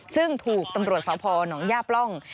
ซึ่งถูกตำรวจสพหนองย่าปล่อง